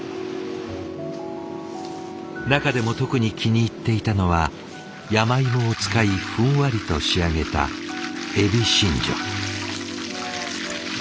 中でも特に気に入っていたのは山芋を使いふんわりと仕上げたえびしんじょ。